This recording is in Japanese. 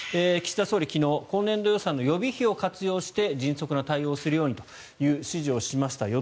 岸田総理は昨日、今年度予算の予備費を活用して迅速な対応をするようにと指示しました。